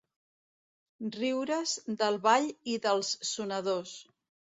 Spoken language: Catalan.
Riure's del ball i dels sonadors.